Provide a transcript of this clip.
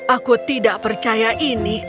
aku tidak percaya ini